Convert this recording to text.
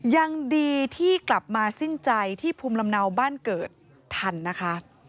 ยังดีที่กลับมาสิ้นใจที่ภูมิลำเนาบ้านเกิดทันนะคะ